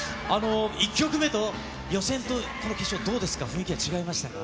１曲目と、予選とこの決勝、どうですか、雰囲気は違いましたか？